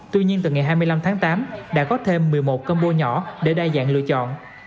tuy nhiên từ ngày hai mươi năm tháng tám đã có thêm một mươi một combo nhỏ để đa dạng lựa chọn